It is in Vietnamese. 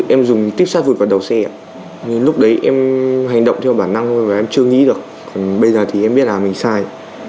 em dùng tiếp sát vượt vào đầu xe lúc đấy em hành động theo bản năng thôi mà em chưa nghĩ được bây giờ thì em biết là mình sai